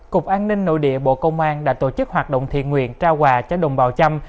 cục an ninh nội địa bộ công an đã tổ chức hoạt động thiện nguyện trao quà cho đồng bào trăm